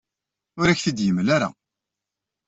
Ur ak-t-id-yemla ara.